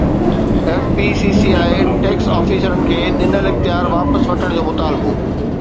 F P C C I tax آفيسرن کي ڏنل اختيار واپس وٺڻ جو مطالبو